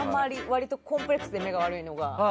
割とコンプレックスで目が悪いのが。